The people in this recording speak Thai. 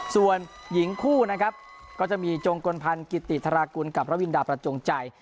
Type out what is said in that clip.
ส่วนหญิงคู่นะครับก็จะมีจงกลพันธ์กิติธรากุลกับพระวินดาประจงใจ